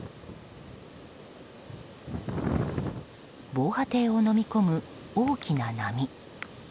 防波堤をのみ込む大きな波。